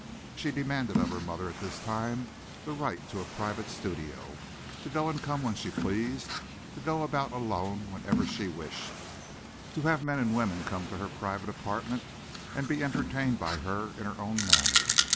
She demanded of her mother at this time the right to a private studio, to go and come when she pleased, to go about alone wherever she wished, to have men and women come to her private apartment, and be entertained by her in her own manner.